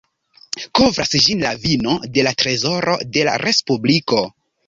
Kovras ĝin la vino de la trezoro de la respubliko.